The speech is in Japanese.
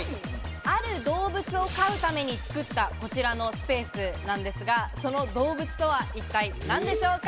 ある動物を飼うために作ったこちらのスペースなんですが、その動物とは一体何でしょうか？